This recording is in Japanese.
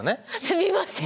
すみません。